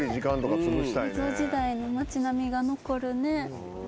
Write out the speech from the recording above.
江戸時代の町並みが残るね。